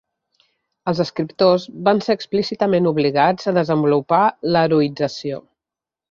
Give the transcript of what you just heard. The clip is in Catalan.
Els escriptors van ser explícitament obligats a desenvolupar l'heroïtzació.